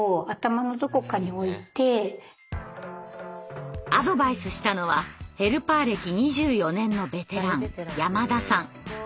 そうですねアドバイスしたのはヘルパー歴２４年のベテラン山田さん。